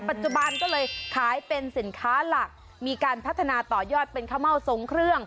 ปัจจุบันก็เลยขายเป็นสินค้าหลักมีการพัฒนาต่อยอดเป็นข้าวเม่าทรงเครื่อง